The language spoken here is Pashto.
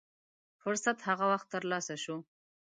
فرصت هغه وخت تر لاسه شو.